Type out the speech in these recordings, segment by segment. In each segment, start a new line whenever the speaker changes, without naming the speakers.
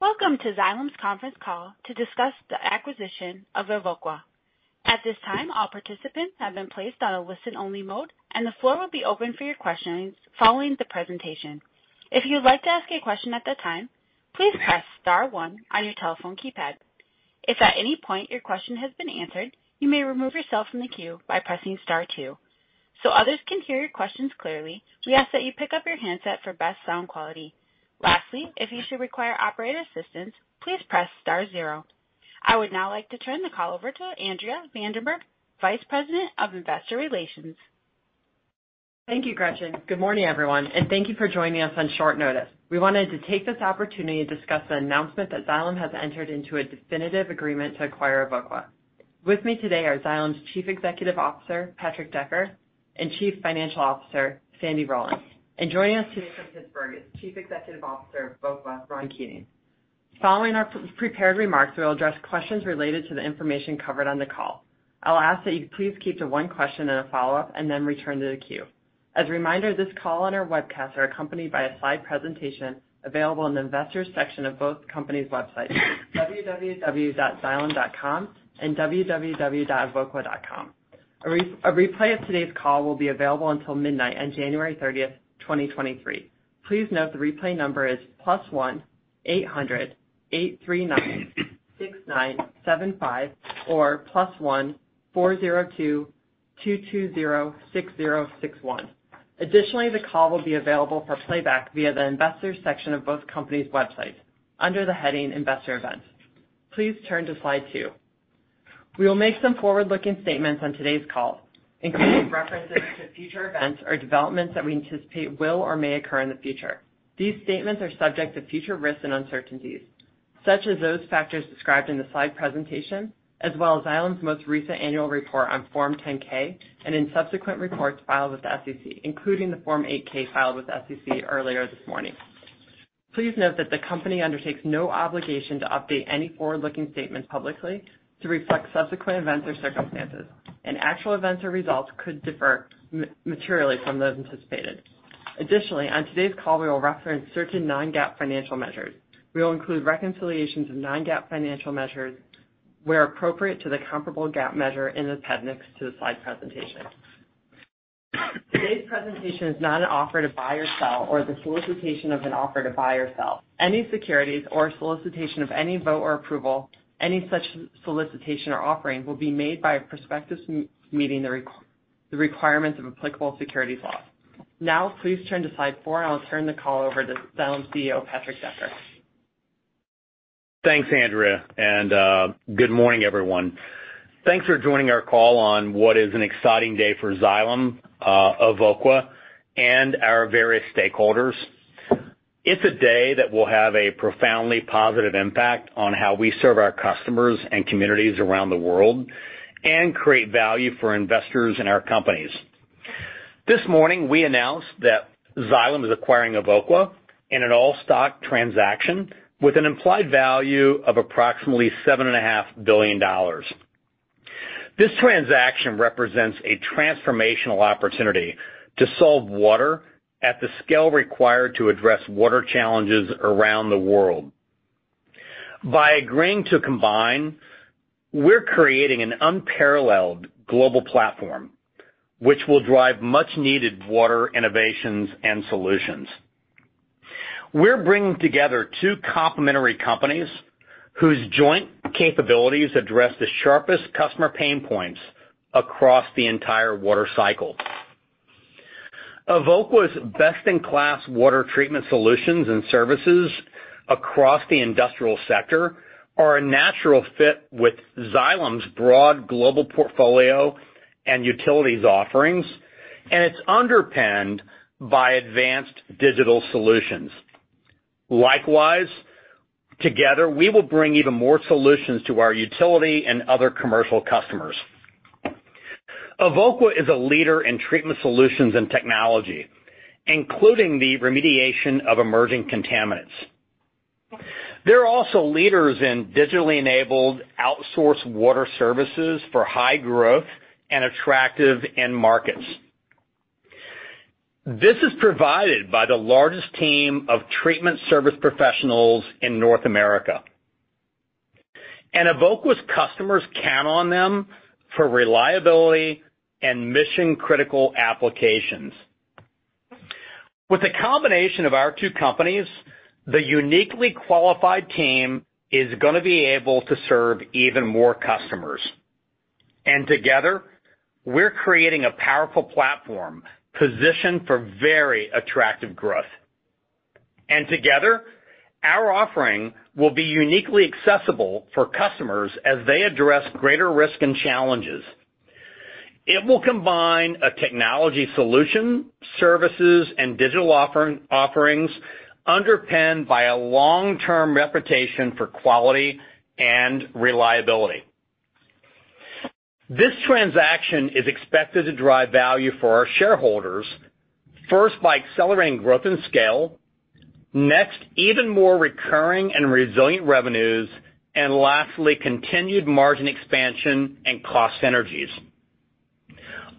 Welcome to Xylem's conference call to discuss the acquisition of Evoqua. At this time, all participants have been placed on a listen-only mode, and the floor will be open for your questions following the presentation. If you'd like to ask a question at the time, please press star one on your telephone keypad. If at any point your question has been answered, you may remove yourself from the queue by pressing star two. Others can hear your questions clearly, we ask that you pick up your handset for best sound quality. Lastly, if you should require operator assistance, please press star zero. I would now like to turn the call over to Andrea van der Berg, Vice President of Investor Relations.
Thank you, Gretchen. Good morning, everyone, thank you for joining us on short notice. We wanted to take this opportunity to discuss the announcement that Xylem has entered into a definitive agreement to acquire Evoqua. With me today are Xylem's Chief Executive Officer, Patrick Decker, and Chief Financial Officer, Sandy Rowland. Joining us today from Pittsburgh is Chief Executive Officer of Evoqua, Ron Keating. Following our prepared remarks, we will address questions related to the information covered on the call. I'll ask that you please keep to one question and a follow-up and then return to the queue. As a reminder, this call and our webcasts are accompanied by a slide presentation available in the investors section of both companies' websites, www.xylem.com and www.evoqua.com. A replay of today's call will be available until midnight on January 30th, 2023. Please note the replay number is +1-800-839-6975 or +1-402-220-6061. Additionally, the call will be available for playback via the investors section of both companies' websites under the heading Investor Events. Please turn to slide two. We will make some forward-looking statements on today's call, including references to future events or developments that we anticipate will or may occur in the future. These statements are subject to future risks and uncertainties, such as those factors described in the slide presentation, as well as Xylem's most recent annual report on Form 10-K and in subsequent reports filed with the SEC, including the Form 8-K filed with the SEC earlier this morning. Please note that the company undertakes no obligation to update any forward-looking statements publicly to reflect subsequent events or circumstances, and actual events or results could differ materially from those anticipated. Additionally, on today's call, we will reference certain non-GAAP financial measures. We will include reconciliations of non-GAAP financial measures where appropriate to the comparable GAAP measure in the appendix to the slide presentation. Today's presentation is not an offer to buy or sell or the solicitation of an offer to buy or sell any securities or solicitation of any vote or approval. Any such solicitation or offering will be made by a prospectus meeting the requirements of applicable securities laws. Now please turn to slide four, and I'll turn the call over to Xylem's CEO, Patrick Decker.
Thanks, Andrea. Good morning, everyone. Thanks for joining our call on what is an exciting day for Xylem, Evoqua, and our various stakeholders. It's a day that will have a profoundly positive impact on how we serve our customers and communities around the world and create value for investors in our companies. This morning, we announced that Xylem is acquiring Evoqua in an all-stock transaction with an implied value of approximately $7.5 billion. This transaction represents a transformational opportunity to solve water at the scale required to address water challenges around the world. By agreeing to combine, we're creating an unparalleled global platform, which will drive much-needed water innovations and solutions. We're bringing together two complementary companies whose joint capabilities address the sharpest customer pain points across the entire water cycle. Evoqua's best-in-class water treatment solutions and services across the industrial sector are a natural fit with Xylem's broad global portfolio and utilities offerings. It's underpinned by advanced digital solutions. Likewise, together, we will bring even more solutions to our utility and other commercial customers. Evoqua is a leader in treatment solutions and technology, including the remediation of emerging contaminants. They're also leaders in digitally enabled outsourced water services for high growth and attractive end markets. This is provided by the largest team of treatment service professionals in North America. Evoqua's customers count on them for reliability and mission-critical applications. With the combination of our two companies, the uniquely qualified team is gonna be able to serve even more customers. Together, we're creating a powerful platform positioned for very attractive growth. Together, our offering will be uniquely accessible for customers as they address greater risk and challenges. It will combine a technology solution, services, and digital offerings underpinned by a long-term reputation for quality and reliability. This transaction is expected to drive value for our shareholders, first by accelerating growth and scale, next, even more recurring and resilient revenues, and lastly, continued margin expansion and cost synergies.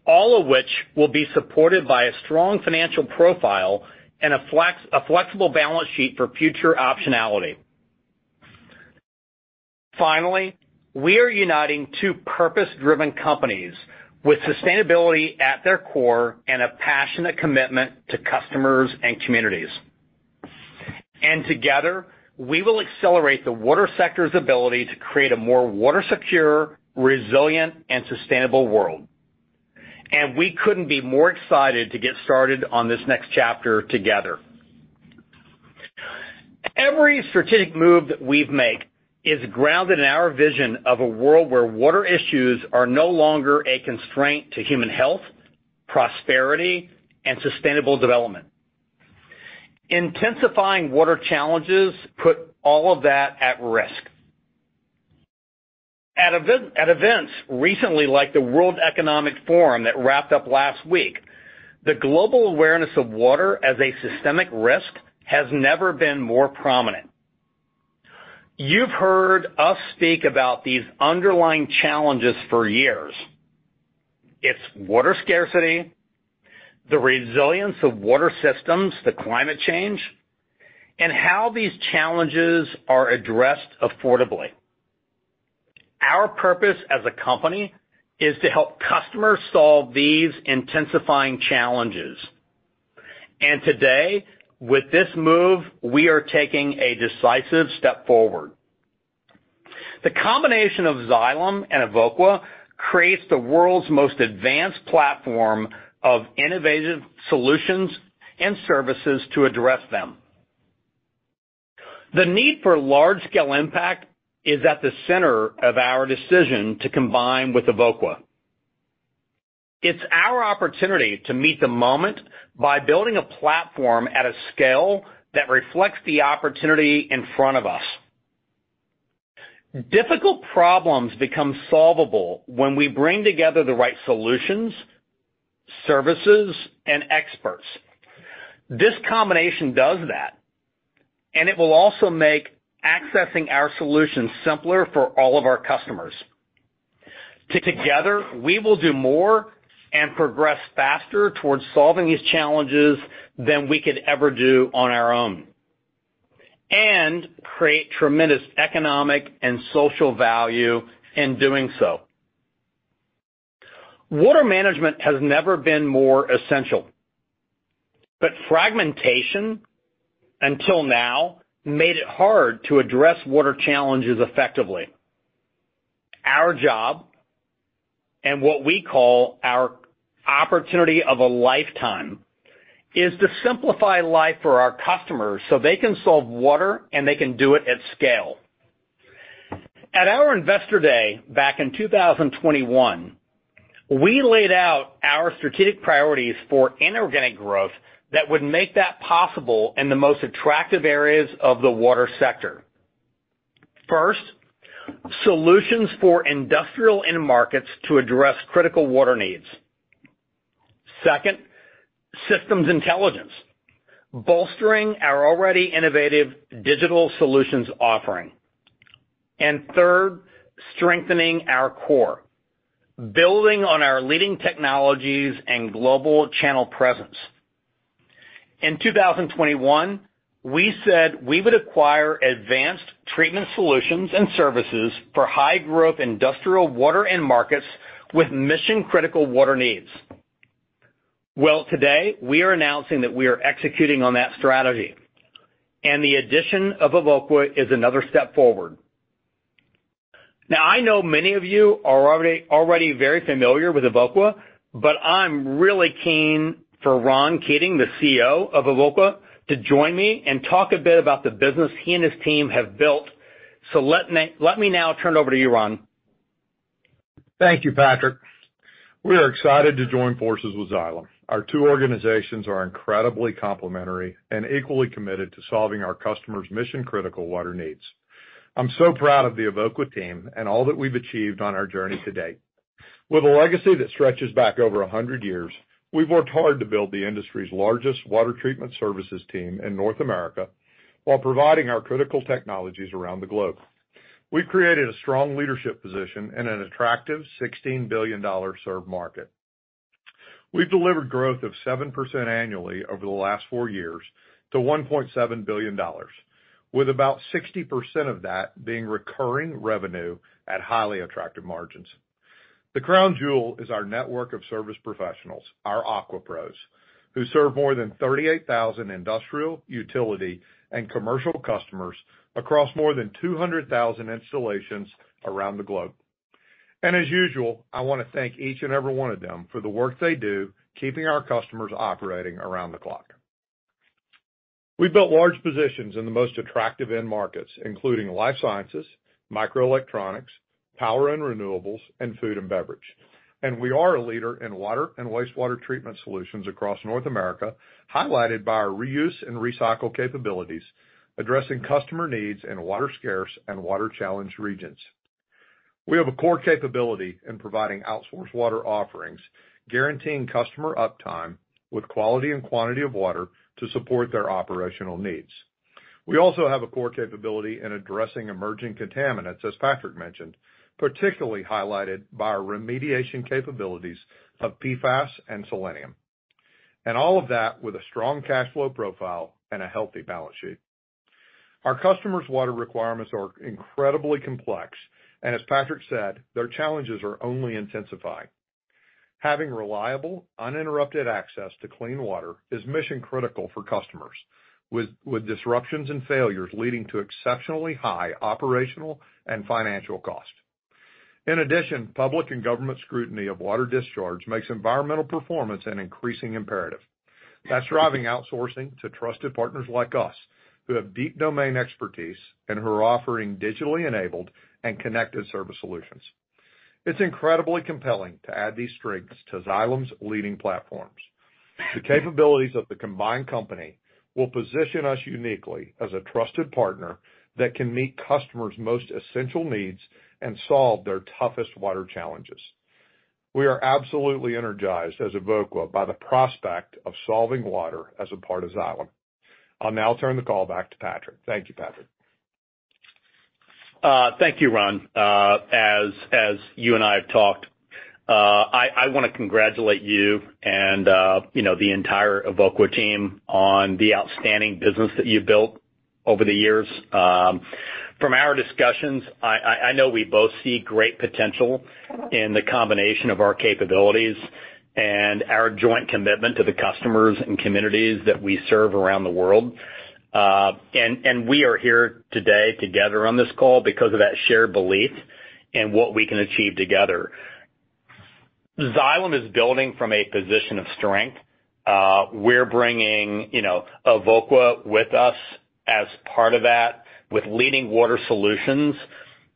All of which will be supported by a strong financial profile and a flexible balance sheet for future optionality. Finally, we are uniting two purpose-driven companies with sustainability at their core and a passionate commitment to customers and communities. Together, we will accelerate the water sector's ability to create a more water secure, resilient, and sustainable world. We couldn't be more excited to get started on this next chapter together. Every strategic move that we've made is grounded in our vision of a world where water issues are no longer a constraint to human health, prosperity, and sustainable development. Intensifying water challenges put all of that at risk. At events recently, like the World Economic Forum that wrapped up last week, the global awareness of water as a systemic risk has never been more prominent. You've heard us speak about these underlying challenges for years. It's water scarcity, the resilience of water systems to climate change, and how these challenges are addressed affordably. Our purpose as a company is to help customers solve these intensifying challenges. Today, with this move, we are taking a decisive step forward. The combination of Xylem and Evoqua creates the world's most advanced platform of innovative solutions and services to address them. The need for large-scale impact is at the center of our decision to combine with Evoqua. It's our opportunity to meet the moment by building a platform at a scale that reflects the opportunity in front of us. Difficult problems become solvable when we bring together the right solutions, services, and experts. This combination does that, and it will also make accessing our solutions simpler for all of our customers. Together, we will do more and progress faster towards solving these challenges than we could ever do on our own, and create tremendous economic and social value in doing so. Water management has never been more essential. Fragmentation, until now, made it hard to address water challenges effectively. Our job, and what we call our opportunity of a lifetime, is to simplify life for our customers so they can solve water and they can do it at scale. At our Investor Day back in 2021, we laid out our strategic priorities for inorganic growth that would make that possible in the most attractive areas of the water sector. First, solutions for industrial end markets to address critical water needs. Second, systems intelligence, bolstering our already innovative digital solutions offering. Third, strengthening our core, building on our leading technologies and global channel presence. In 2021, we said we would acquire advanced treatment solutions and services for high-growth industrial water end markets with mission-critical water needs. Well, today, we are announcing that we are executing on that strategy, and the addition of Evoqua is another step forward. I know many of you are already very familiar with Evoqua, but I'm really keen for Ron Keating, the CEO of Evoqua, to join me and talk a bit about the business he and his team have built. Let me now turn it over to you, Ron.
Thank you, Patrick. We are excited to join forces with Xylem. Our two organizations are incredibly complementary and equally committed to solving our customers' mission-critical water needs. I'm so proud of the Evoqua team and all that we've achieved on our journey to date. With a legacy that stretches back over 100 years, we've worked hard to build the industry's largest water treatment services team in North America while providing our critical technologies around the globe. We've created a strong leadership position in an attractive $16 billion served market. We've delivered growth of 7% annually over the last four years to $1.7 billion, with about 60% of that being recurring revenue at highly attractive margins. The crown jewel is our network of service professionals, our AquaPros who serve more than 38,000 industrial, utility, and commercial customers across more than 200,000 installations around the globe. As usual, I wanna thank each and every one of them for the work they do, keeping our customers operating around the clock. We built large positions in the most attractive end markets, including life sciences, microelectronics, power and renewables, and food and beverage. We are a leader in water and wastewater treatment solutions across North America, highlighted by our reuse and recycle capabilities, addressing customer needs in water-scarce and water-challenged regions. We have a core capability in providing outsourced water offerings, guaranteeing customer uptime with quality and quantity of water to support their operational needs. We also have a core capability in addressing emerging contaminants, as Patrick mentioned, particularly highlighted by our remediation capabilities of PFAS and selenium. All of that with a strong cash flow profile and a healthy balance sheet. Our customers' water requirements are incredibly complex. As Patrick said, their challenges are only intensified. Having reliable, uninterrupted access to clean water is mission-critical for customers, with disruptions and failures leading to exceptionally high operational and financial costs. In addition, public and government scrutiny of water discharge makes environmental performance an increasing imperative. That's driving outsourcing to trusted partners like us who have deep domain expertise and who are offering digitally enabled and connected service solutions. It's incredibly compelling to add these strengths to Xylem's leading platforms. The capabilities of the combined company will position us uniquely as a trusted partner that can meet customers' most essential needs and solve their toughest water challenges. We are absolutely energized as Evoqua by the prospect of solving water as a part of Xylem. I'll now turn the call back to Patrick. Thank you, Patrick.
Thank you, Ron. As you and I have talked, I want to congratulate you and, you know, the entire Evoqua team on the outstanding business that you've built over the years. From our discussions, I know we both see great potential in the combination of our capabilities and our joint commitment to the customers and communities that we serve around the world. We are here today together on this call because of that shared belief in what we can achieve together. Xylem is building from a position of strength. We're bringing, you know, Evoqua with us as part of that with leading water solutions,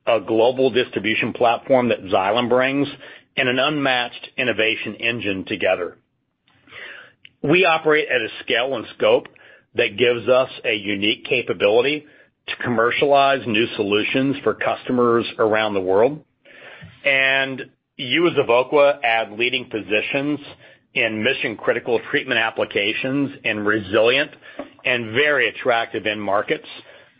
a global distribution platform that Xylem brings, and an unmatched innovation engine together. We operate at a scale and scope that gives us a unique capability to commercialize new solutions for customers around the world. You as Evoqua add leading positions in mission-critical treatment applications and resilient and very attractive end markets,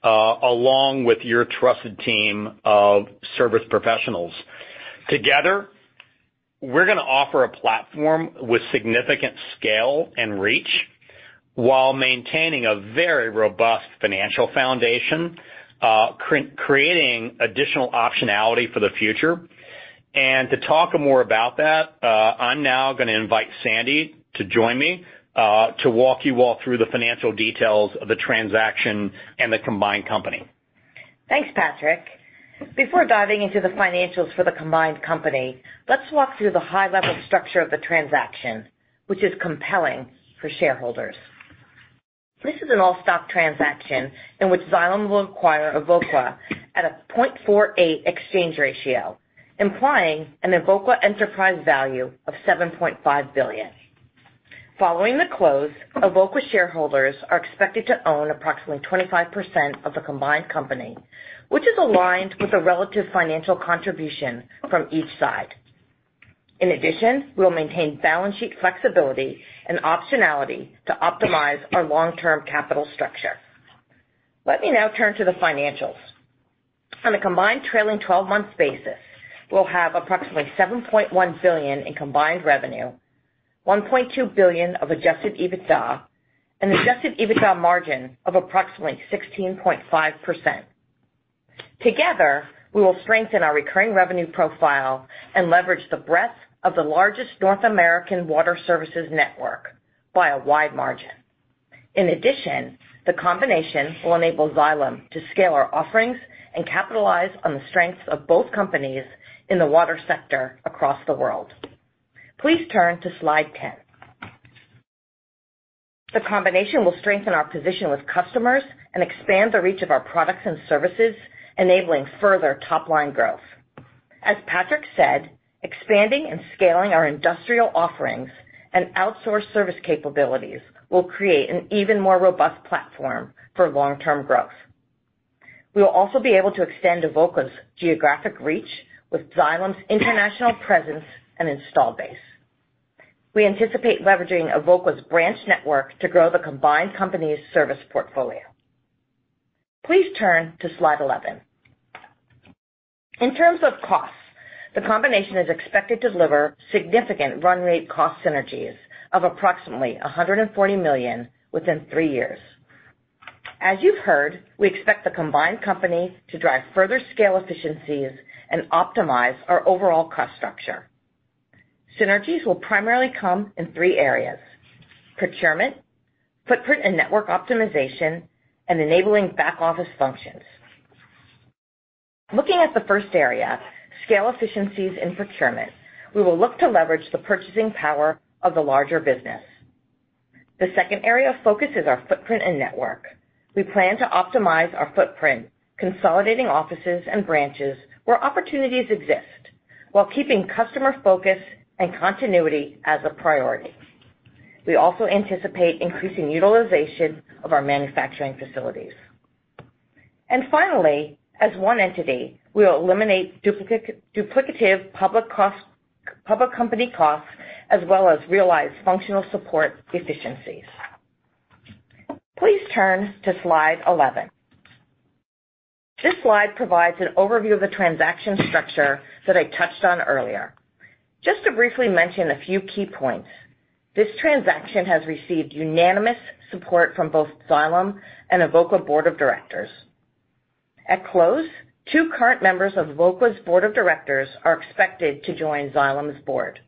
along with your trusted team of service professionals. Together, we're gonna offer a platform with significant scale and reach while maintaining a very robust financial foundation, creating additional optionality for the future. To talk more about that, I'm now gonna invite Sandy to join me to walk you all through the financial details of the transaction and the combined company.
Thanks, Patrick. Before diving into the financials for the combined company, let's walk through the high-level structure of the transaction, which is compelling for shareholders. This is an all-stock transaction in which Xylem will acquire Evoqua at a 0.48 exchange ratio, implying an Evoqua enterprise value of $7.5 billion. Following the close, Evoqua shareholders are expected to own approximately 25% of the combined company, which is aligned with the relative financial contribution from each side. We'll maintain balance sheet flexibility and optionality to optimize our long-term capital structure. Let me now turn to the financials. On a combined trailing 12-month basis, we'll have approximately $7.1 billion in combined revenue, $1.2 billion of adjusted EBITDA and adjusted EBITDA margin of approximately 16.5%. Together, we will strengthen our recurring revenue profile and leverage the breadth of the largest North American water services network by a wide margin. In addition, the combination will enable Xylem to scale our offerings and capitalize on the strengths of both companies in the water sector across the world. Please turn to slide 10. The combination will strengthen our position with customers and expand the reach of our products and services, enabling further top-line growth. As Patrick said, expanding and scaling our industrial offerings and outsourced service capabilities will create an even more robust platform for long-term growth. We will also be able to extend Evoqua's geographic reach with Xylem's international presence and install base. We anticipate leveraging Evoqua's branch network to grow the combined company's service portfolio. Please turn to slide 11. In terms of costs, the combination is expected to deliver significant run rate cost synergies of approximately $140 million within three years. As you've heard, we expect the combined company to drive further scale efficiencies and optimize our overall cost structure. Synergies will primarily come in three areas: procurement, footprint and network optimization, and enabling back-office functions. Looking at the first area, scale efficiencies in procurement, we will look to leverage the purchasing power of the larger business. The second area of focus is our footprint and network. We plan to optimize our footprint, consolidating offices and branches where opportunities exist while keeping customer focus and continuity as a priority. We also anticipate increasing utilization of our manufacturing facilities. Finally, as one entity, we'll eliminate duplicative public company costs as well as realize functional support efficiencies. Please turn to slide 11. This slide provides an overview of the transaction structure that I touched on earlier. Just to briefly mention a few key points, this transaction has received unanimous support from both Xylem and Evoqua board of directors. At close, two current members of Evoqua's board of directors are expected to join Xylem's board.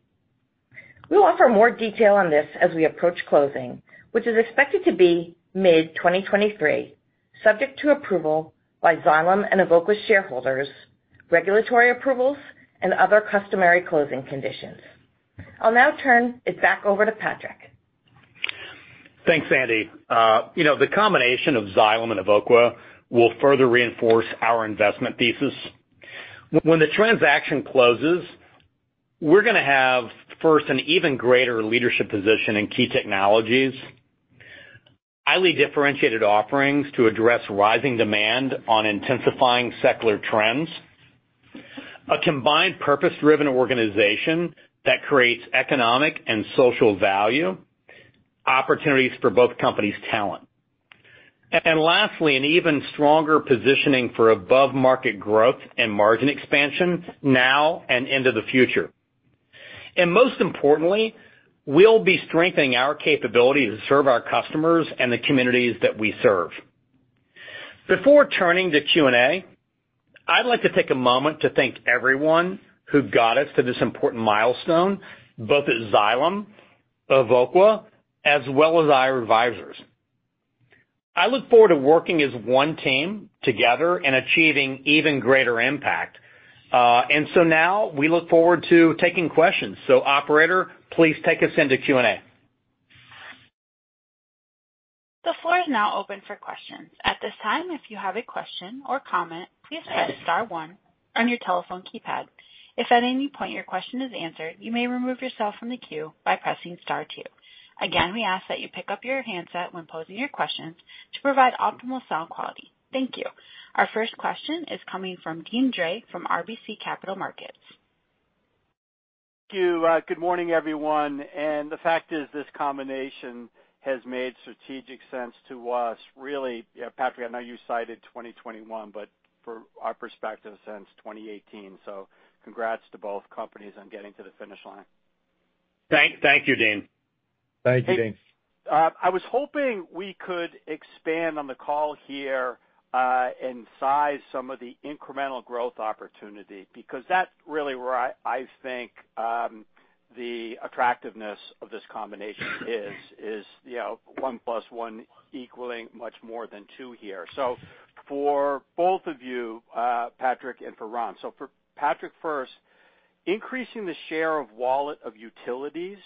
We'll offer more detail on this as we approach closing, which is expected to be mid-2023, subject to approval by Xylem and Evoqua shareholders, regulatory approvals, and other customary closing conditions. I'll now turn it back over to Patrick.
Thanks, Sandy. You know, the combination of Xylem and Evoqua will further reinforce our investment thesis. When the transaction closes, we're gonna have, first, an even greater leadership position in key technologies, highly differentiated offerings to address rising demand on intensifying secular trends, a combined purpose-driven organization that creates economic and social value, opportunities for both companies' talent. Lastly, an even stronger positioning for above-market growth and margin expansion now and into the future. Most importantly, we'll be strengthening our capability to serve our customers and the communities that we serve. Before turning to Q&A, I'd like to take a moment to thank everyone who got us to this important milestone, both at Xylem, Evoqua, as well as our advisors. I look forward to working as one team together and achieving even greater impact. Now we look forward to taking questions. Operator, please take us into Q&A.
The floor is now open for questions. At this time, if you have a question or comment, please press star one on your telephone keypad. If at any point your question is answered, you may remove yourself from the queue by pressing star two. Again, we ask that you pick up your handset when posing your questions to provide optimal sound quality. Thank you. Our first question is coming from Deane Dray from RBC Capital Markets.
Thank you. good morning, everyone. The fact is this combination has made strategic sense to us, really, Patrick, I know you cited 2021, but from our perspective, since 2018. congrats to both companies on getting to the finish line.
Thank you, Deane.
Thank you, Deane.
I was hoping we could expand on the call here, and size some of the incremental growth opportunity because that's really where I think, the attractiveness of this combination is, you know, one plus one equaling much more than two here. For both of you, Patrick and for Ron. For Patrick first, increasing the share of wallet of utilities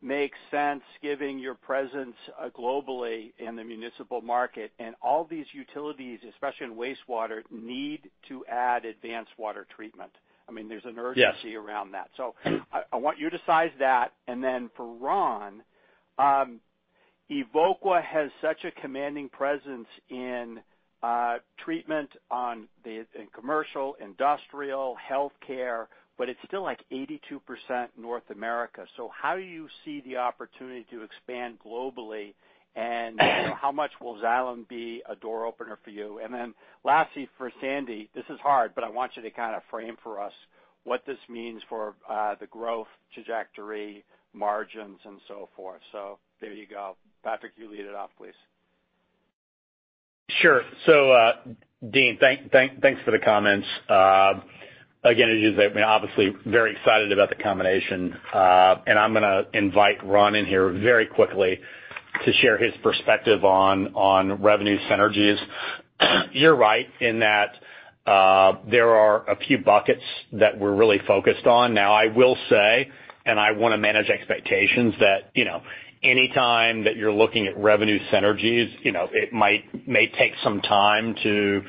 makes sense giving your presence globally in the municipal market. All these utilities, especially in wastewater, need to add advanced water treatment. I mean, there's an urgency around that. I want you to size that. For Ron, Evoqua has such a commanding presence in treatment in commercial, industrial, healthcare, but it's still like 82% North America. How do you see the opportunity to expand globally? How much will Xylem be a door opener for you? Lastly, for Sandy, this is hard, but I want you to kind of frame for us what this means for the growth trajectory, margins, and so forth. There you go. Patrick, you lead it off, please.
Sure. Deane, thanks for the comments. Again, I mean, obviously very excited about the combination, and I'm gonna invite Ron in here very quickly to share his perspective on revenue synergies. You're right in that there are a few buckets that we're really focused on. I will say, and I wanna manage expectations that, you know, anytime that you're looking at revenue synergies, you know, it may take some time to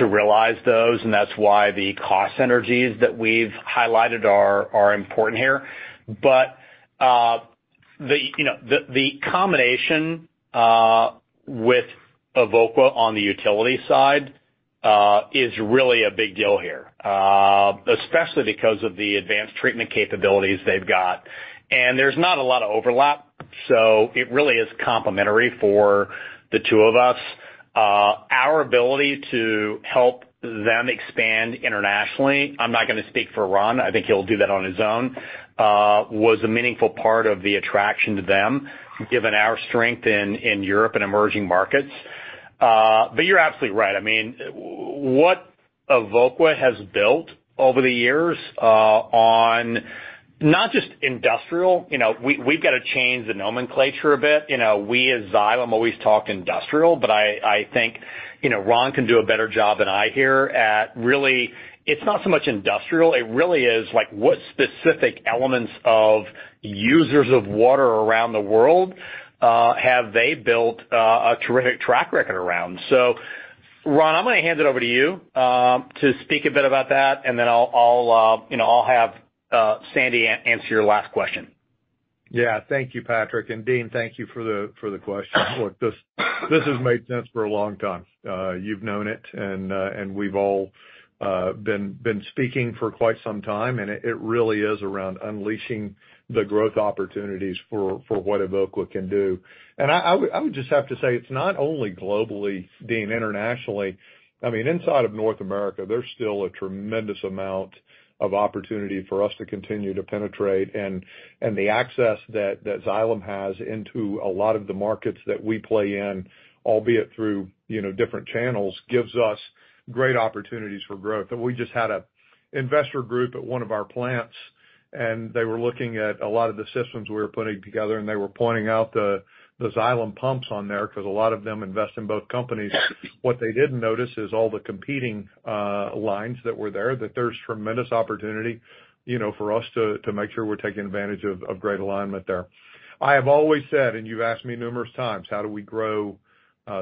realize those, and that's why the cost synergies that we've highlighted are important here. The, you know, the combination with Evoqua on the utility side is really a big deal here, especially because of the advanced treatment capabilities they've got. There's not a lot of overlap, so it really is complementary for the two of us. Our ability to help them expand internationally, I'm not gonna speak for Ron, I think he'll do that on his own, was a meaningful part of the attraction to them, given our strength in Europe and emerging markets. You're absolutely right. I mean, what Evoqua has built over the years, on not just industrial, you know, we've got to change the nomenclature a bit. You know, we as Xylem always talk industrial, I think, you know, Ron can do a better job than I here at really, it's not so much industrial, it really is like what specific elements of users of water around the world, have they built a terrific track record around? Ron, I'm gonna hand it over to you to speak a bit about that, and then I'll, you know, I'll have Sandy answer your last question.
Yeah. Thank you, Patrick. Deane, thank you for the question. Look, this has made sense for a long time. You've known it and we've all been speaking for quite some time, and it really is around unleashing the growth opportunities for what Evoqua can do. I would just have to say it's not only globally, Deane, internationally. I mean, inside of North America, there's still a tremendous amount of opportunity for us to continue to penetrate. The access that Xylem has into a lot of the markets that we play in, albeit through, you know, different channels, gives us great opportunities for growth. We just had a investor group at one of our plants, and they were looking at a lot of the systems we were putting together, and they were pointing out the Xylem pumps on there 'cause a lot of them invest in both companies. What they didn't notice is all the competing lines that were there, that there's tremendous opportunity, you know, for us to make sure we're taking advantage of great alignment there. I have always said, and you've asked me numerous times, how do we grow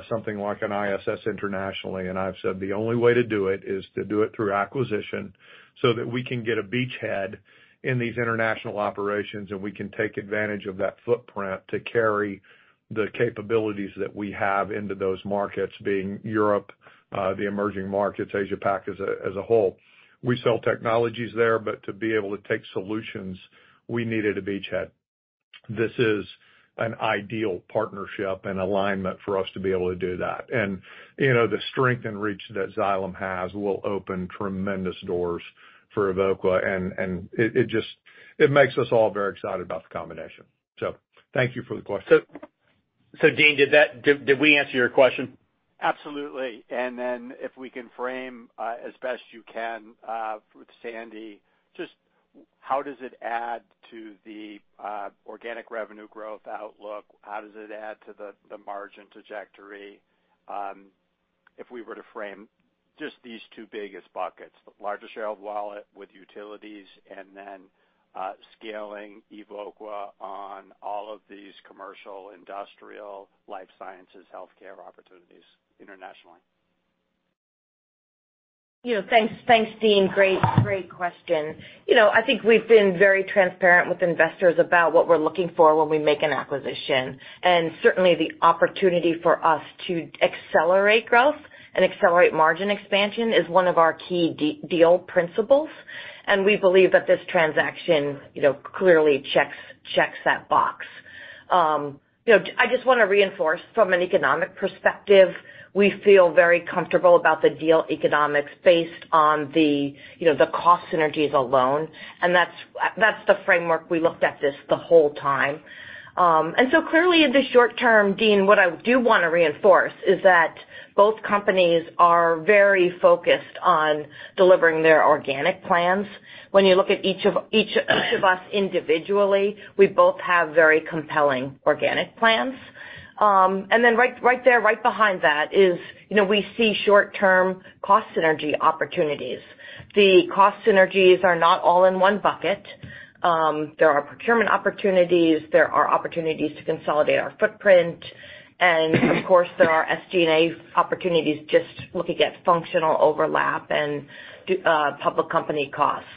something like an ISS internationally? I've said the only way to do it is to do it through acquisition so that we can get a beachhead in these international operations, and we can take advantage of that footprint to carry the capabilities that we have into those markets, being Europe, the emerging markets, Asia Pac as a whole. We sell technologies there, but to be able to take solutions, we needed a beachhead. This is an ideal partnership and alignment for us to be able to do that. You know, the strength and reach that Xylem has will open tremendous doors for Evoqua and it just makes us all very excited about the combination. Thank you for the question.
Deane, did we answer your question?
Absolutely. Then if we can frame, as best you can, with Sandy, just how does it add to the organic revenue growth outlook? How does it add to the margin trajectory, if we were to frame just these two biggest buckets, the largest share of wallet with utilities and then scaling Evoqua on all of these commercial, industrial, life sciences, healthcare opportunities internationally?
You know, thanks, Deane. Great question. Certainly the opportunity for us to accelerate growth and accelerate margin expansion is one of our key deal principles. We believe that this transaction, you know, clearly checks that box. You know, I just wanna reinforce from an economic perspective, we feel very comfortable about the deal economics based on the, you know, the cost synergies alone, and that's the framework we looked at this the whole time. Clearly in the short term, Deane, what I do wanna reinforce is that both companies are very focused on delivering their organic plans. When you look at each of us individually, we both have very compelling organic plans. Right, right there, right behind that is, you know, we see short-term cost synergy opportunities. The cost synergies are not all in one bucket. There are procurement opportunities. There are opportunities to consolidate our footprint. Of course, there are SG&A opportunities just looking at functional overlap and do public company costs.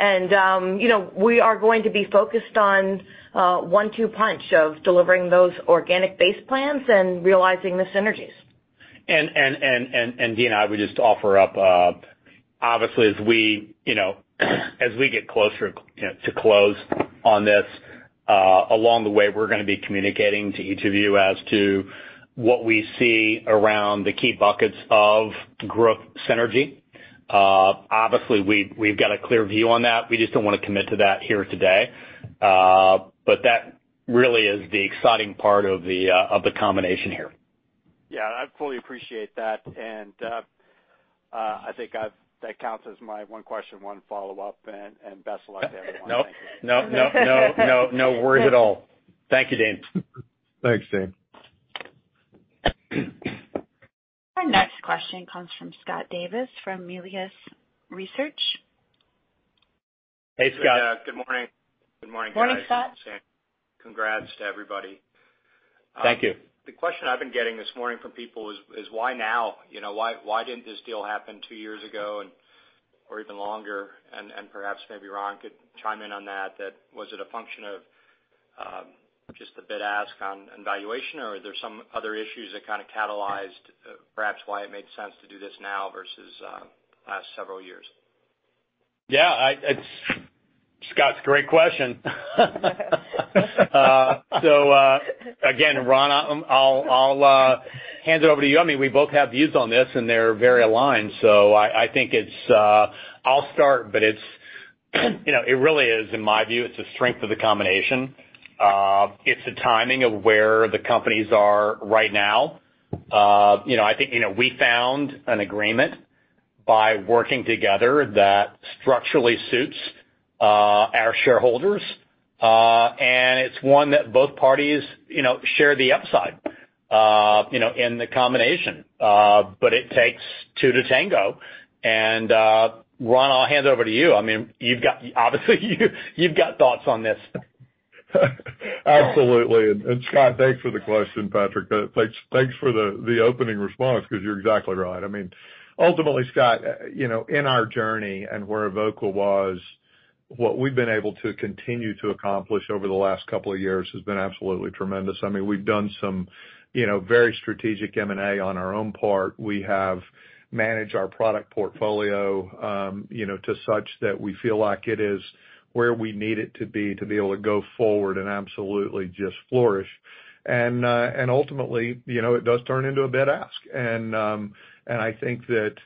You know, we are going to be focused on one-two punch of delivering those organic base plans and realizing the synergies.
Deane, I would just offer up, obviously, as we, you know, as we get closer, you know, to close on this, along the way, we're gonna be communicating to each of you as to what we see around the key buckets of growth synergy. Obviously we've got a clear view on that. We just don't wanna commit to that here today. That really is the exciting part of the combination here.
Yeah. I fully appreciate that. I think that counts as my one question, one follow-up, and best luck to everyone. Thank you.
No, no, no, no worries at all. Thank you, Deane.
Thanks, Deane.
Our next question comes from Scott Davis from Melius Research.
Hey, Scott.
Good morning.
Morning, Scott.
Congrats to everybody.
Thank you.
The question I've been getting this morning from people is why now? You know, why didn't this deal happen two years ago or even longer? Perhaps maybe Ron could chime in on that. That was it a function of, just the bid ask on and valuation, or are there some other issues that kind of catalyzed perhaps why it made sense to do this now versus, the last several years?
Yeah, Scott, it's a great question. Again, Ron, I'll hand it over to you. I mean, we both have views on this, and they're very aligned, so I think it's, I'll start, but it's, you know, it really is, in my view, it's the strength of the combination. It's the timing of where the companies are right now. You know, I think, you know, we found an agreement by working together that structurally suits our shareholders, and it's one that both parties, you know, share the upside, you know, in the combination. It takes two to tango. Ron, I'll hand it over to you. I mean, you've got, obviously you've got thoughts on this.
Absolutely. Scott, thanks for the question. Patrick, thanks for the opening response 'cause you're exactly right. I mean, ultimately, Scott, you know, in our journey and where Evoqua was. What we've been able to continue to accomplish over the last couple of years has been absolutely tremendous. I mean, we've done some, you know, very strategic M&A on our own part. We have managed our product portfolio, you know, to such that we feel like it is where we need it to be to be able to go forward and absolutely just flourish. Ultimately, you know, it does turn into a bit ask. I think that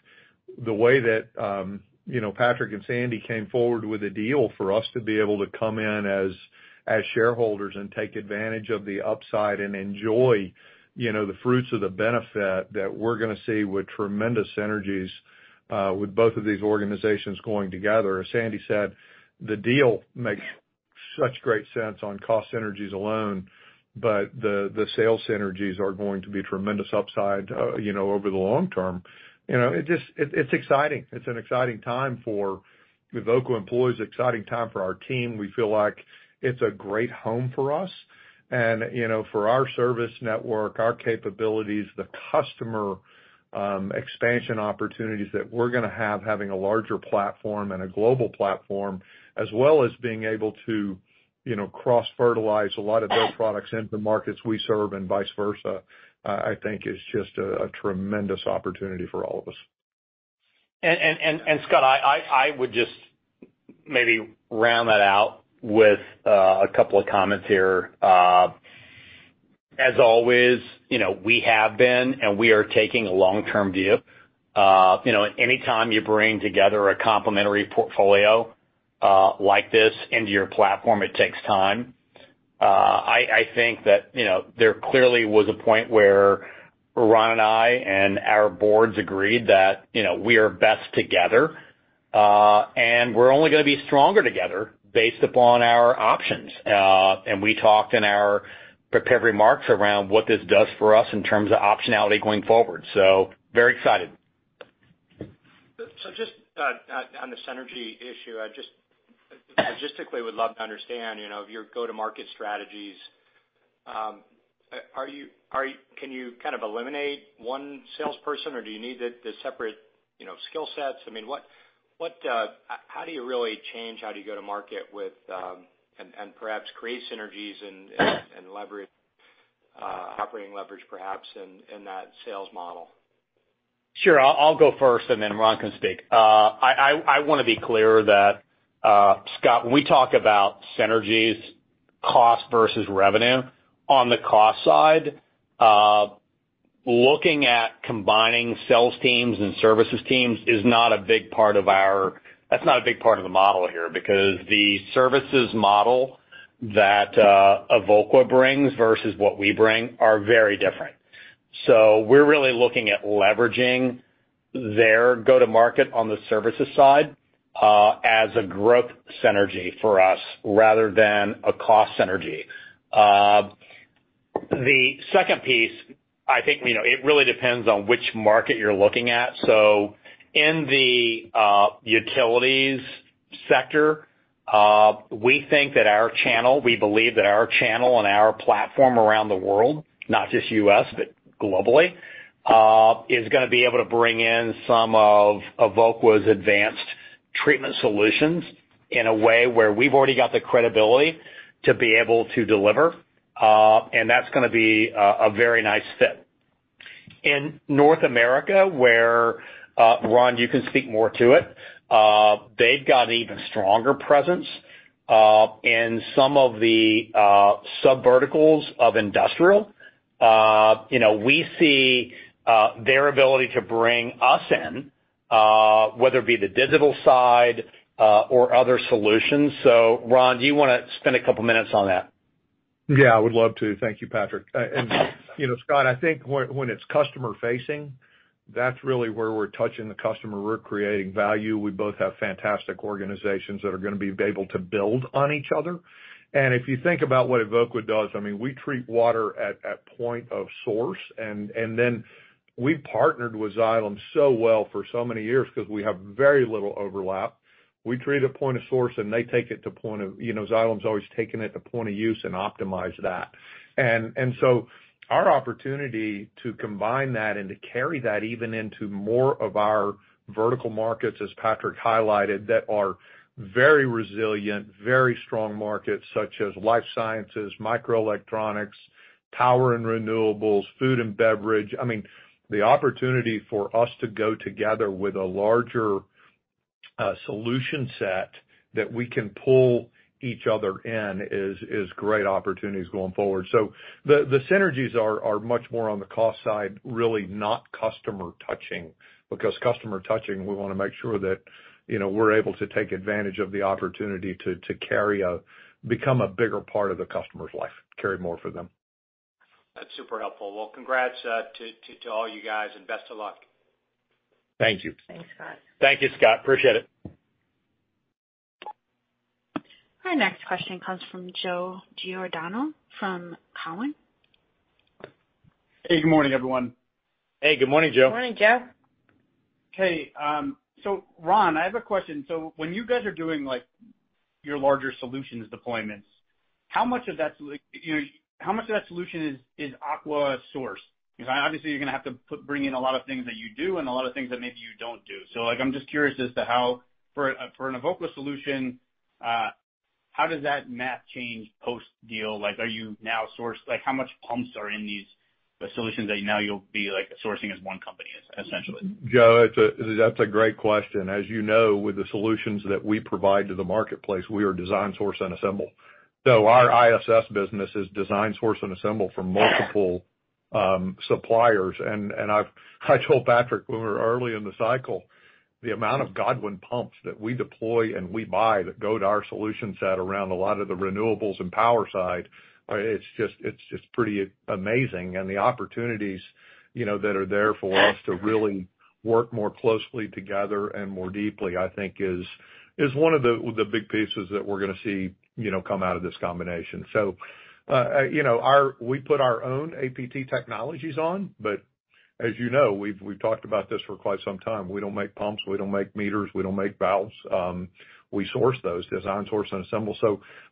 the way that, you know, Patrick and Sandy came forward with a deal for us to be able to come in as shareholders and take advantage of the upside and enjoy, you know, the fruits of the benefit that we're going to see with tremendous synergies with both of these organizations going together. As Sandy said, the deal makes such great sense on cost synergies alone, but the sales synergies are going to be tremendous upside, you know, over the long term. You know, it's exciting. It's an exciting time for Evoqua employees, exciting time for our team. We feel like it's a great home for us and, you know, for our service network, our capabilities, the customer, expansion opportunities that we're gonna have, having a larger platform and a global platform, as well as being able to, you know, cross-fertilize a lot of their products into markets we serve and vice versa, I think is just a tremendous opportunity for all of us.
Scott, I would just maybe round that out with a couple of comments here. As always, you know, we have been, and we are taking a long-term view. You know, anytime you bring together a complementary portfolio, like this into your platform, it takes time. I think that, you know, there clearly was a point where Ron and I and our boards agreed that, you know, we are best together. We're only gonna be stronger together based upon our options. We talked in our prepared remarks around what this does for us in terms of optionality going forward. Very excited.
Just on the synergy issue, I just logistically would love to understand, you know, your go-to-market strategies. Can you kind of eliminate one salesperson, or do you need the separate, you know, skill sets? I mean, what? How do you really change, how do you go to market with, and perhaps create synergies and leverage, operating leverage perhaps in that sales model?
Sure. I'll go first, then Ron can speak. I want to be clear that Scott, when we talk about synergies, cost versus revenue, on the cost side, looking at combining sales teams and services teams is not a big part of the model here because the services model that Evoqua brings versus what we bring are very different. We're really looking at leveraging their go-to-market on the services side, as a growth synergy for us rather than a cost synergy. The second piece, I think, you know, it really depends on which market you're looking at. In the utilities sector, we think that our channel, we believe that our channel and our platform around the world, not just U.S., but globally, is gonna be able to bring in some of Evoqua's advanced treatment solutions in a way where we've already got the credibility to be able to deliver, and that's gonna be a very nice fit. In North America, where Ron, you can speak more to it, they've got an even stronger presence in some of the subverticals of industrial. You know, we see their ability to bring us in, whether it be the digital side, or other solutions. Ron, do you wanna spend a couple minutes on that?
Yeah, I would love to. Thank you, Patrick. You know, Scott, I think when it's customer-facing, that's really where we're touching the customer. We're creating value. We both have fantastic organizations that are gonna be able to build on each other. If you think about what Evoqua does, I mean, we treat water at point of source, then we've partnered with Xylem so well for so many years 'cause we have very little overlap. We treat it at point of source, and they take it to point of, you know, Xylem's always taken it to point of use and optimize that. Our opportunity to combine that and to carry that even into more of our vertical markets, as Patrick highlighted, that are very resilient, very strong markets, such as life sciences, microelectronics, power and renewables, food and beverage. I mean, the opportunity for us to go together with a larger solution set that we can pull each other in is great opportunities going forward. The synergies are much more on the cost side, really not customer touching, because customer touching, we wanna make sure that, you know, we're able to take advantage of the opportunity to become a bigger part of the customer's life, carry more for them.
That's super helpful. Well, congrats, to all you guys and best of luck.
Thank you.
Thanks, Scott.
Thank you, Scott. Appreciate it.
Our next question comes from Joe Giordano from Cowen.
Hey, good morning, everyone.
Hey, good morning, Joe.
Morning, Joe. Okay, Ron, I have a question. When you guys are doing, like, your larger solutions deployments, how much of that solution, you know, how much of that solution is Aquasource? Because obviously you're gonna have to bring in a lot of things that you do and a lot of things that maybe you don't do. Like, I'm just curious as to how, for an Evoqua solution, how does that map change post-deal? Like, are you now, like, how much pumps are in these solutions that now you'll be, like, sourcing as one company, essentially?
Joe, that's a great question. As you know, with the solutions that we provide to the marketplace, we are design source and assemble. Our ISS business is design source and assemble for multiple suppliers. I've I told Patrick when we were early in the cycle, the amount of Godwin pumps that we deploy and we buy that go to our solution set around a lot of the renewables and power side, it's just pretty amazing. The opportunities, you know, that are there for us to really work more closely together and more deeply, I think is one of the big pieces that we're gonna see, you know, come out of this combination. You know, we put our own APT technologies on, but as you know, we've talked about this for quite some time. We don't make pumps. We don't make meters. We don't make valves. We source those, design source and assemble.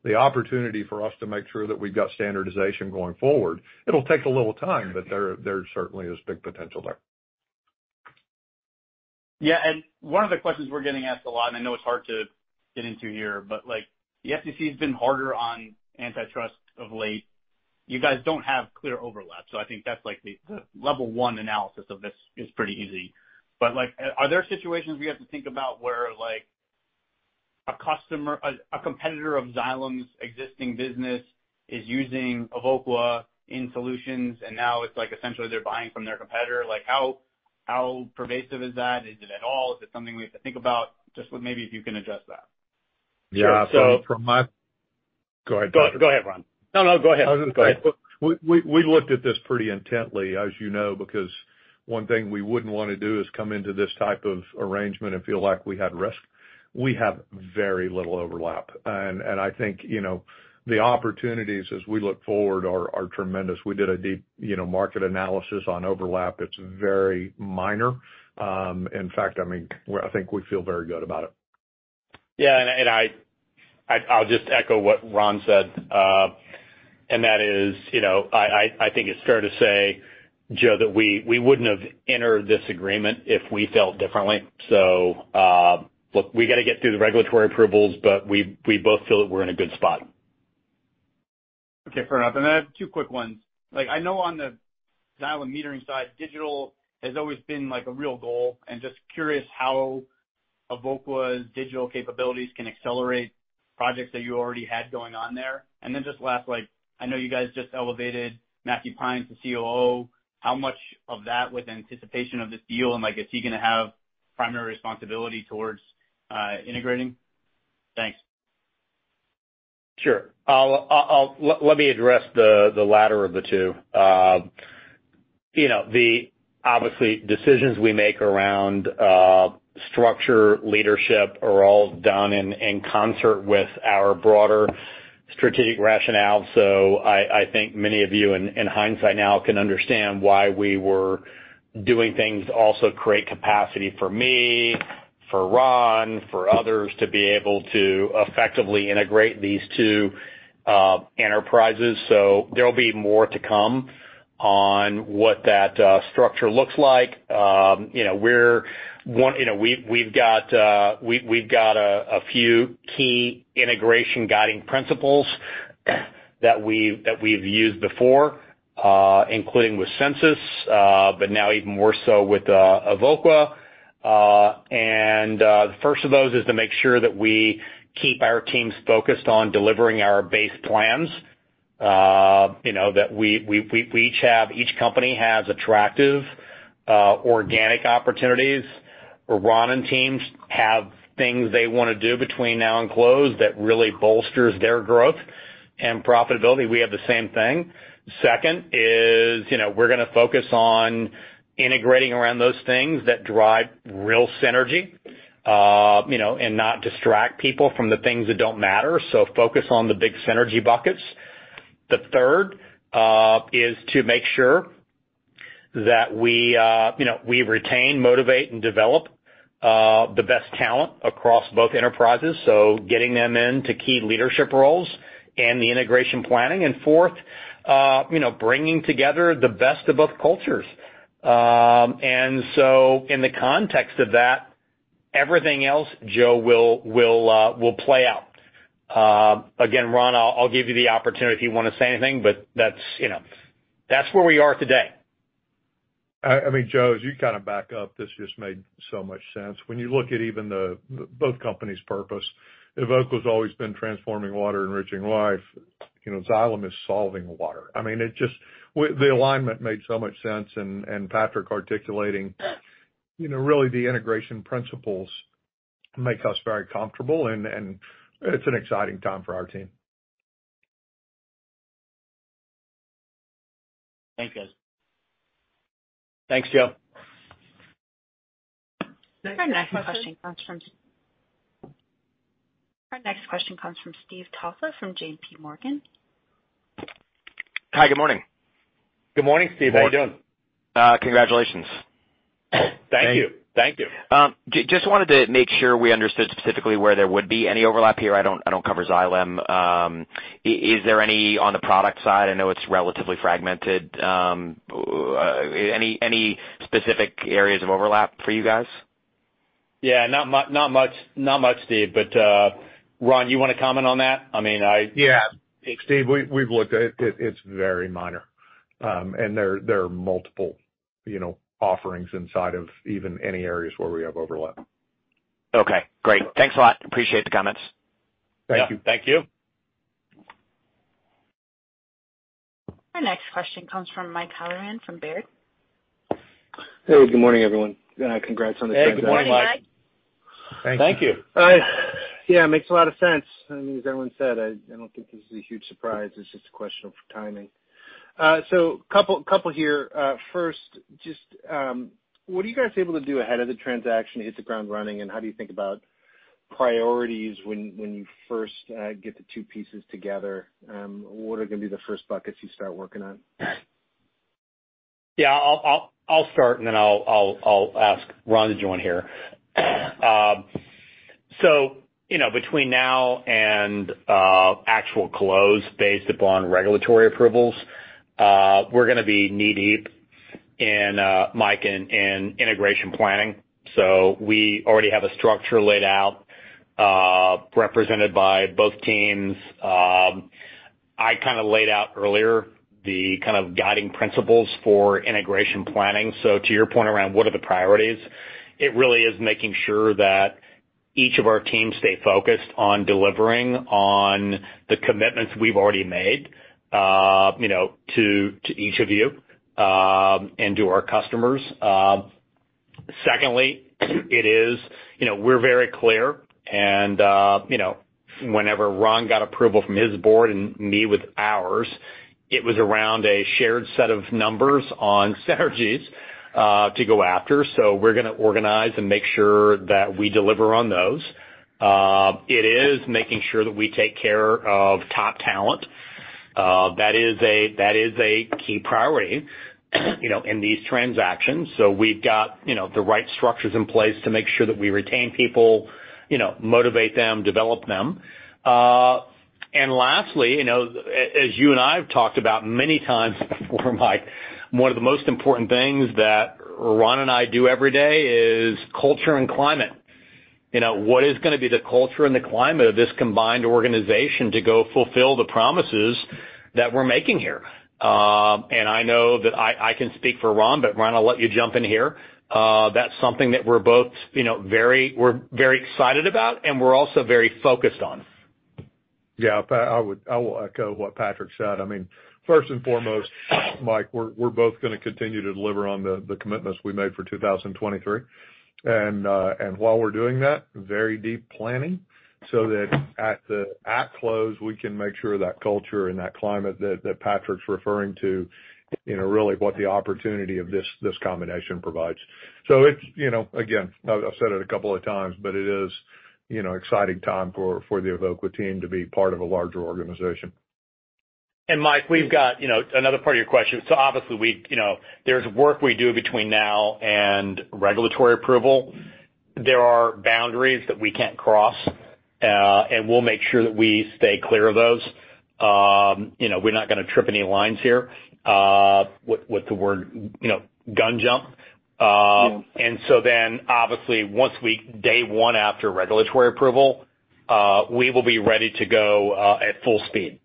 The opportunity for us to make sure that we've got standardization going forward, it'll take a little time, but there certainly is big potential there.
Yeah. One of the questions we're getting asked a lot, and I know it's hard to get into here, but like, the FTC has been harder on antitrust of late. You guys don't have clear overlap, so I think that's like the level 1 analysis of this is pretty easy. Like, are there situations we have to think about where, like, a competitor of Xylem's existing business is using Evoqua in solutions and now it's like essentially they're buying from their competitor? Like how pervasive is that? Is it at all? Is it something we have to think about? Just maybe if you can address that.
Yeah. From.
Sure.
Go ahead, Patrick. Go ahead, Ron. No, go ahead. I was gonna say, we looked at this pretty intently, as you know, because one thing we wouldn't wanna do is come into this type of arrangement and feel like we had risk. We have very little overlap. I think, you know, the opportunities as we look forward are tremendous. We did a deep, you know, market analysis on overlap. It's very minor. In fact, I mean, I think we feel very good about it.
Yeah. I'll just echo what Ron said. That is, you know, I think it's fair to say, Joe, that we wouldn't have entered this agreement if we felt differently. Look, we gotta get through the regulatory approvals, but we both feel that we're in a good spot.
Okay, fair enough. I have two quick ones. Like, I know on the Xylem metering side, digital has always been like a real goal, and just curious how Evoqua's digital capabilities can accelerate projects that you already had going on there. Just last, like, I know you guys just elevated Matthew Pine to COO. How much of that was in anticipation of this deal, and like, is he gonna have primary responsibility towards, integrating? Thanks.
Sure. Let me address the latter of the two. You know, obviously, decisions we make around structure, leadership are all done in concert with our broader strategic rationale. I think many of you in hindsight now can understand why we were doing things to also create capacity for me, for Ron, for others to be able to effectively integrate these two enterprises. There'll be more to come on what that structure looks like. You know, we've got a few key integration guiding principles that we've used before, including with Sensus, but now even more so with Evoqua. The first of those is to make sure that we keep our teams focused on delivering our base plans. You know, that each company has attractive organic opportunities, where Ron and teams have things they wanna do between now and close that really bolsters their growth and profitability. We have the same thing. Second is, you know, we're gonna focus on integrating around those things that drive real synergy, you know, and not distract people from the things that don't matter. Focus on the big synergy buckets. The third is to make sure that we, you know, we retain, motivate, and develop the best talent across both enterprises, so getting them into key leadership roles and the integration planning. Fourth, you know, bringing together the best of both cultures. In the context of that, everything else, Joe, will play out. Again, Ron, I'll give you the opportunity if you wanna say anything. That's, you know, that's where we are today.
I mean, Joe, as you kind of back up, this just made so much sense. When you look at even both companies' purpose, Evoqua's always been transforming water, enriching life. You know, Xylem is solving water. I mean, it just the alignment made so much sense and Patrick articulating, you know, really the integration principles make us very comfortable and it's an exciting time for our team.
Thank you.
Thanks, Joe.
Our next question comes from Steve Tusa from JP Morgan.
Hi, good morning.
Good morning, Steve. How you doing?
Congratulations.
Thank you. Thank you.
Just wanted to make sure we understood specifically where there would be any overlap here. I don't cover Xylem. Is there any on the product side? I know it's relatively fragmented. Any specific areas of overlap for you guys?
Yeah. Not much, Steve. Ron, you wanna comment on that? I mean.
Yeah. Steve, we've looked at it. It's very minor. There are multiple, you know, offerings inside of even any areas where we have overlap.
Okay, great. Thanks a lot. Appreciate the comments.
Thank you.
Thank you.
Our next question comes from Mike Halloran from Baird.
Hey, good morning, everyone. Congrats on the transaction.
Hey, good morning, Mike.
Good morning.
Thank you.
Yeah, it makes a lot of sense. I mean, as everyone said, I don't think this is a huge surprise. It's just a question of timing. Couple here. First, just, what are you guys able to do ahead of the transaction to hit the ground running, and how do you think about priorities when you first get the two pieces together? What are gonna be the first buckets you start working on?
Yeah. I'll start and then I'll ask Ron to join here. You know, between now and actual close based upon regulatory approvals, we're gonna be knee-deep in Mike, in integration planning. We already have a structure laid out, represented by both teams. I kinda laid out earlier the kind of guiding principles for integration planning. To your point around what are the priorities, it really is making sure that each of our teams stay focused on delivering on the commitments we've already made, you know, to each of you, and to our customers. Secondly, it is, you know, we're very clear and, you know, whenever Ron got approval from his board and me with ours, it was around a shared set of numbers on synergies to go after. We're gonna organize and make sure that we deliver on those. It is making sure that we take care of top talent. That is a key priority, you know, in these transactions. We've got, you know, the right structures in place to make sure that we retain people, you know, motivate them, develop them. Lastly, you know, as you and I have talked about many times before, Mike, one of the most important things that Ron and I do every day is culture and climate. You know, what is gonna be the culture and the climate of this combined organization to go fulfill the promises that we're making here? I know that I can speak for Ron, but Ron, I'll let you jump in here. That's something that we're both, you know, very... We're very excited about and we're also very focused on.
I will echo what Patrick said. I mean, first and foremost, Mike, we're both gonna continue to deliver on the commitments we made for 2023. While we're doing that, very deep planning so that at close, we can make sure that culture and that climate that Patrick's referring to, you know, really what the opportunity of this combination provides. It's, you know, again, I've said it a couple of times, but it is, you know, exciting time for the Evoqua team to be part of a larger organization.
Mike, we've got, you know, another part of your question. Obviously we, you know, there's work we do between now and regulatory approval. There are boundaries that we can't cross, and we'll make sure that we stay clear of those. you know, we're not gonna trip any lines here, with the word, you know, gun jump. Obviously once day one after regulatory approval, we will be ready to go at full speed.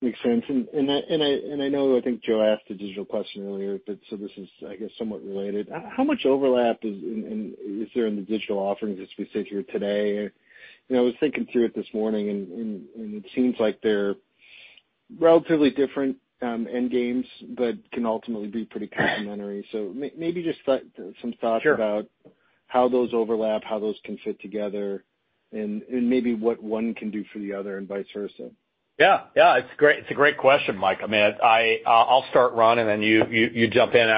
Makes sense. I know, I think Joe asked a digital question earlier. This is, I guess, somewhat related. How much overlap is there in the digital offerings as we sit here today? You know, I was thinking through it this morning and it seems like they're relatively different end games, but can ultimately be pretty complementary. Maybe just like some thoughts.
Sure.
about how those overlap, how those can fit together and maybe what one can do for the other and vice versa.
Yeah. Yeah. It's great. It's a great question, Mike. I mean, I'll start, Ron, and then you jump in.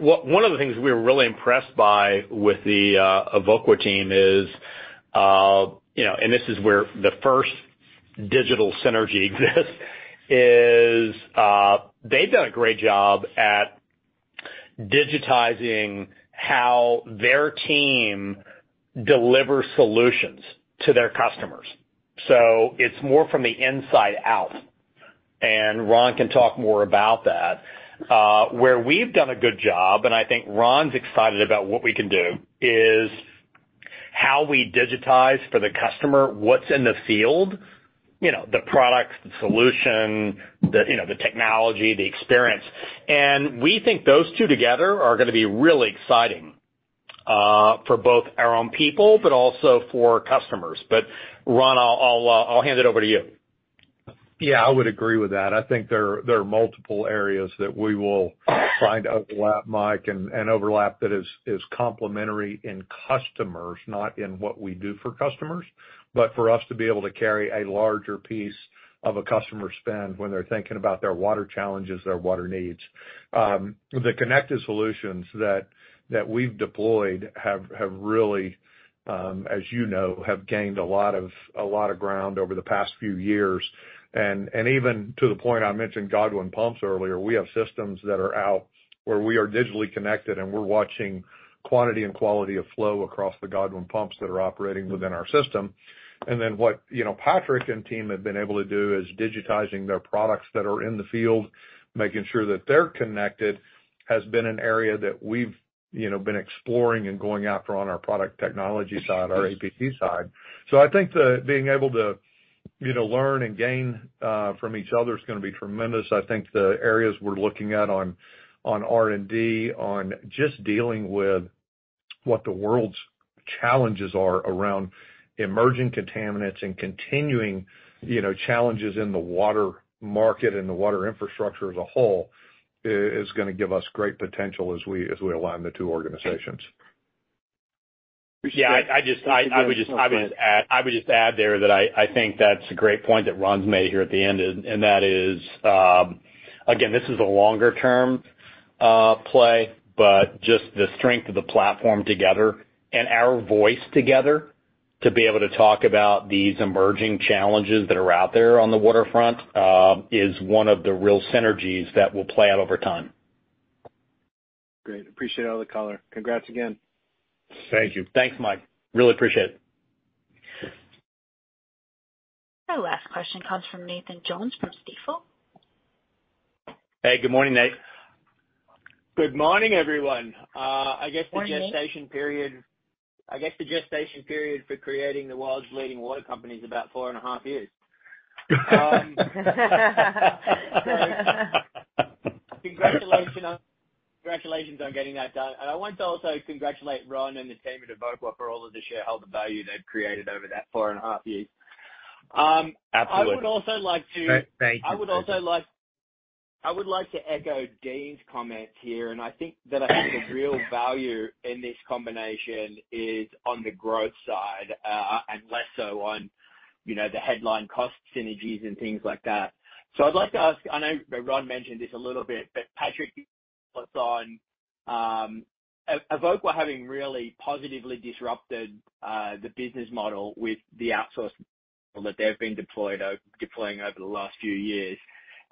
One of the things we were really impressed by with the Evoqua team is, you know, and this is where the first digital synergy exists is, they've done a great job at digitizing how their team delivers solutions to their customers. It's more from the inside out, and Ron can talk more about that. Where we've done a good job, and I think Ron's excited about what we can do, is how we digitize for the customer what's in the field, you know, the products, the solution, the, you know, the technology, the experience. We think those two together are gonna be really exciting for both our own people, but also for customers. Ron, I'll hand it over to you.
Yeah, I would agree with that. I think there are multiple areas that we will find overlap, Mike, and overlap that is complementary in customers, not in what we do for customers, but for us to be able to carry a larger piece of a customer spend when they're thinking about their water challenges, their water needs. The connected solutions that we've deployed have really, as you know, have gained a lot of ground over the past few years. Even to the point I mentioned Godwin Pumps earlier, we have systems that are out where we are digitally connected, and we're watching quantity and quality of flow across the Godwin pumps that are operating within our system. Then what, you know, Patrick and team have been able to do is digitizing their products that are in the field, making sure that they're connected, has been an area that we've, you know, been exploring and going after on our product technology side, our APT side. I think the being able to, you know, learn and gain from each other is gonna be tremendous. I think the areas we're looking at on R&D, on just dealing with what the world's challenges are around emerging contaminants and continuing, you know, challenges in the water market and the water infrastructure as a whole is gonna give us great potential as we, as we align the two organizations.
Appreciate
Yeah. I would just add there that I think that's a great point that Ron's made here at the end, and that is, again, this is a longer-term, play, but just the strength of the platform together and our voice together to be able to talk about these emerging challenges that are out there on the waterfront, is one of the real synergies that will play out over time.
Great. Appreciate all the color. Congrats again.
Thank you.
Thanks, Mike. Really appreciate it.
Our last question comes from Nathan Jones from Stifel.
Hey, good morning, Nate.
Good morning, everyone. Morning... the gestation period, I guess the gestation period for creating the world's leading water company is about four and a half years. congratulations on getting that done. I want to also congratulate Ron and the team at Evoqua for all of the shareholder value they've created over that four and a half years.
Absolutely.
I would also like.
Thank you.
I would like to echo Deane's comments here, and I think that a sort of real value in this combination is on the growth side, and less so on, you know, the headline cost synergies and things like that. I'd like to ask, I know that Ron mentioned this a little bit, but Patrick, your thoughts on Evoqua having really positively disrupted the business model with the outsource model that they've been deploying over the last few years,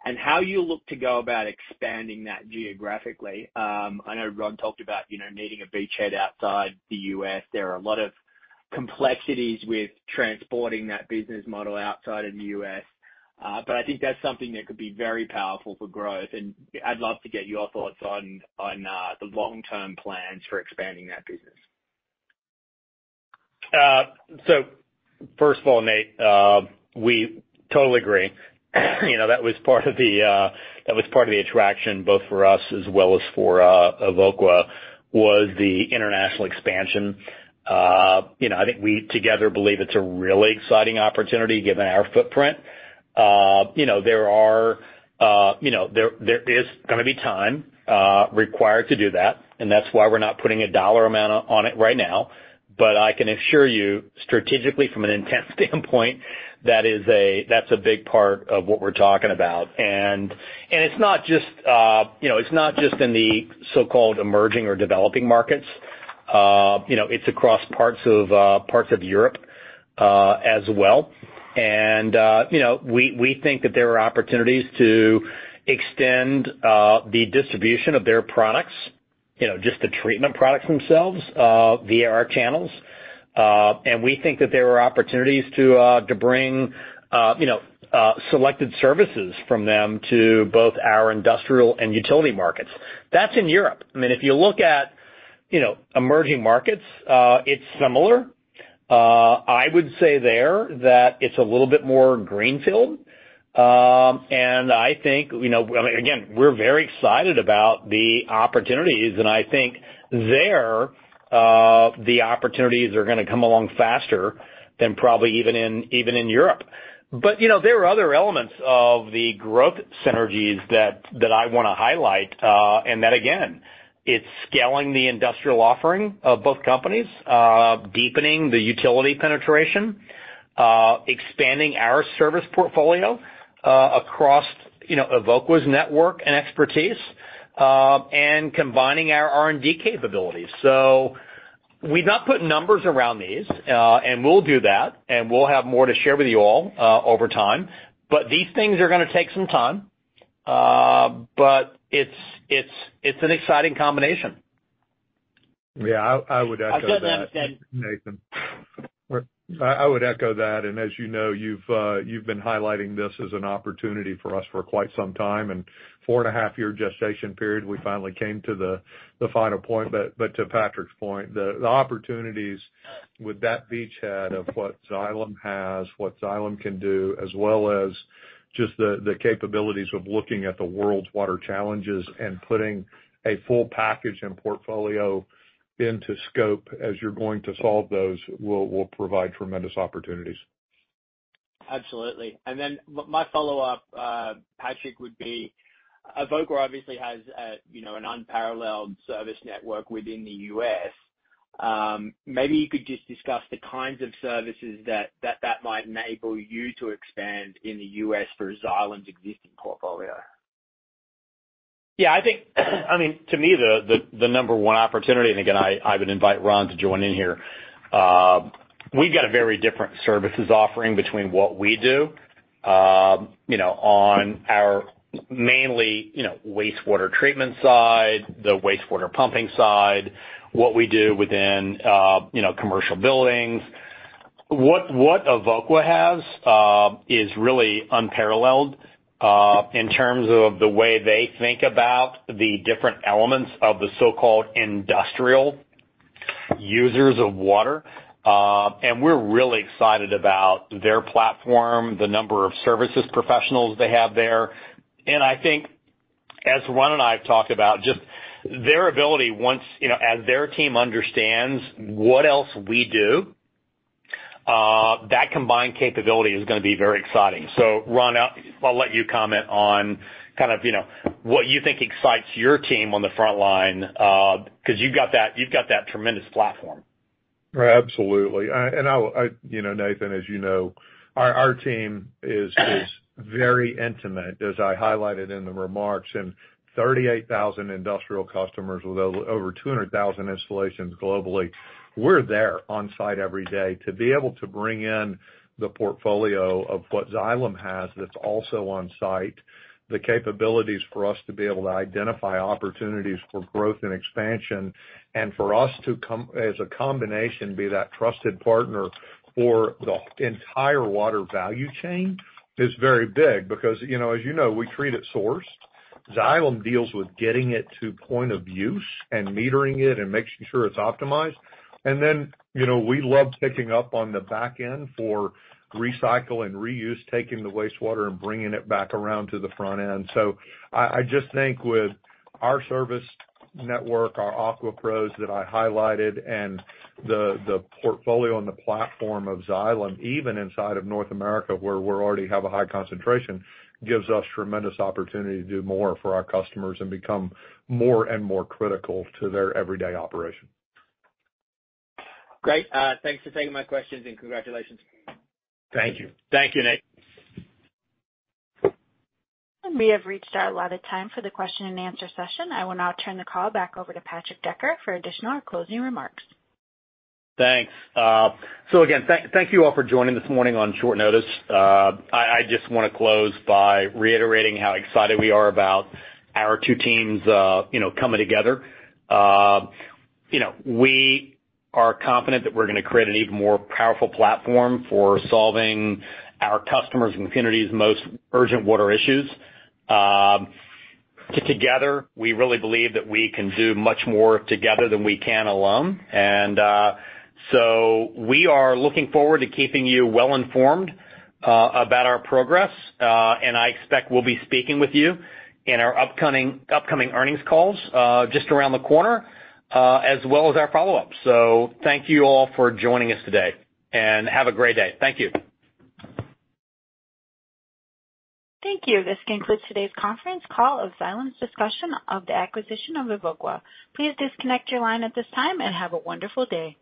and how you look to go about expanding that geographically. I know Ron talked about, you know, needing a beachhead outside the US. There are a lot of complexities with transporting that business model outside of the US, I think that's something that could be very powerful for growth. I'd love to get your thoughts on the long-term plans for expanding that business.
First of all, Nate, we totally agree. You know, that was part of the attraction both for us as well as for Evoqua, was the international expansion. You know, I think we together believe it's a really exciting opportunity given our footprint. You know, there are, you know, there is gonna be time required to do that, and that's why we're not putting a dollar amount on it right now. I can assure you strategically from an intense standpoint, that's a big part of what we're talking about. It's not just, you know, it's not just in the so-called emerging or developing markets. You know, it's across parts of Europe as well. You know, we think that there are opportunities to extend the distribution of their products, you know, just the treatment products themselves, via our channels. We think that there are opportunities to bring, you know, selected services from them to both our industrial and utility markets. That's in Europe. I mean, if you look at, you know, emerging markets, it's similar. I would say there that it's a little bit more greenfield. I think, you know, I mean, again, we're very excited about the opportunities. I think there, the opportunities are gonna come along faster than probably even in, even in Europe. You know, there are other elements of the growth synergies that I wanna highlight, and that again, it's scaling the industrial offering of both companies, deepening the utility penetration, expanding our service portfolio, across, you know, Evoqua's network and expertise, and combining our R&D capabilities. We've not put numbers around these, and we'll do that, and we'll have more to share with you all over time. These things are gonna take some time. It's, it's an exciting combination.
Yeah. I would echo that.
I've done that.
Nathan. I would echo that. As you know, you've been highlighting this as an opportunity for us for quite some time. Four-and-a-half year gestation period, we finally came to the final point. To Patrick's point, the opportunities with that beachhead of what Xylem has, what Xylem can do, as well as just the capabilities of looking at the world's water challenges and putting a full package and portfolio into scope as you're going to solve those, will provide tremendous opportunities.
Absolutely. My follow-up, Patrick, would be Evoqua obviously has, you know, an unparalleled service network within the U.S. Maybe you could just discuss the kinds of services that might enable you to expand in the U.S. for Xylem's existing portfolio?
I think I mean, to me, the, the number one opportunity, and again, I would invite Ron to join in here. We've got a very different services offering between what we do, you know, on our mainly, you know, wastewater treatment side, the wastewater pumping side, what we do within commercial buildings. What Evoqua has is really unparalleled in terms of the way they think about the different elements of the so-called industrial users of water. We're really excited about their platform, the number of services professionals they have there. I think as Ron and I have talked about, just their ability once... you know, as their team understands what else we do, that combined capability is gonna be very exciting. Ron, I'll let you comment on kind of, you know, what you think excites your team on the front line, 'cause you've got that tremendous platform.
Right. Absolutely. you know, Nathan, as you know, our team is very intimate, as I highlighted in the remarks, and 38,000 industrial customers with over 200,000 installations globally. We're there on site every day to be able to bring in the portfolio of what Xylem has that's also on site, the capabilities for us to be able to identify opportunities for growth and expansion, and for us as a combination, be that trusted partner for the entire water value chain is very big because, you know, as you know, we treat it sourced. Xylem deals with getting it to point of use and metering it and making sure it's optimized. you know, we love picking up on the back end for recycle and reuse, taking the wastewater and bringing it back around to the front end. I just think with our service network, our AQUA pros that I highlighted and the portfolio and the platform of Xylem, even inside of North America where we already have a high concentration, gives us tremendous opportunity to do more for our customers and become more and more critical to their everyday operation.
Great. Thanks for taking my questions and congratulations.
Thank you.
Thank you, Nate.
We have reached our allotted time for the question-and-answer session. I will now turn the call back over to Patrick Decker for additional closing remarks.
Thanks. Again, thank you all for joining this morning on short notice. I just wanna close by reiterating how excited we are about our two teams, you know, coming together. You know, we are confident that we're gonna create an even more powerful platform for solving our customers' and communities' most urgent water issues. Together, we really believe that we can do much more together than we can alone. We are looking forward to keeping you well informed about our progress. I expect we'll be speaking with you in our upcoming earnings calls, just around the corner, as well as our follow-up. Thank you all for joining us today, have a great day. Thank you.
Thank you. This concludes today's conference call of Xylem's discussion of the acquisition of Evoqua. Please disconnect your line at this time and have a wonderful day.